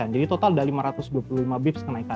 jadi total ada lima ratus dua puluh lima bps kenaikan